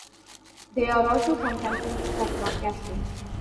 They are also sometimes used for broadcasting.